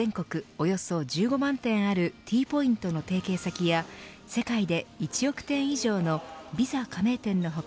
およそ１５万点あるＴポイントの提携先や世界で１億店以上のＶｉｓａ加盟店の他